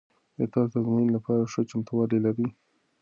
آیا تاسو د ازموینې لپاره ښه چمتووالی لرئ؟